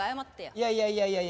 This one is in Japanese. いやいやいやいやいや。